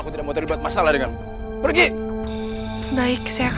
ternyata dia masih hidup